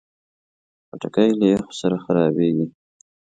خټکی له یخو سره خرابېږي.